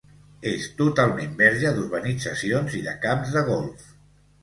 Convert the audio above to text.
És totalment verge d'urbanitzacions i de camps de golf.